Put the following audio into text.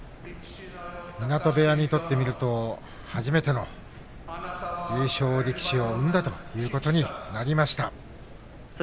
湊部屋にとってみると初めての優勝力士を生んだということになりました。